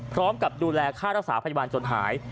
พร้อมกับดูแลค่ารักษาพยาบาลจนหาย